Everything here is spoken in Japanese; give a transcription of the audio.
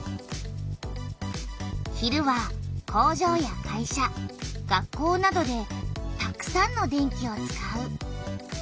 昼は工場や会社学校などでたくさんの電気を使う。